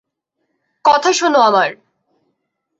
কথা শোনো আমার!